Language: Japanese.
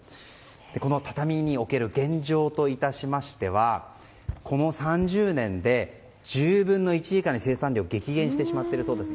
この畳における現状といたしましてはこの３０年で１０分の１以下に生産量が激減してしまっているそうです。